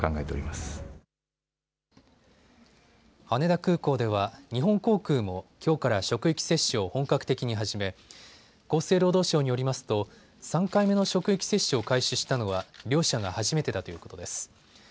羽田空港では日本航空もきょうから職域接種を本格的に始め厚生労働省によりますと３回目の職域接種を開始したのは両社が初めてだということです。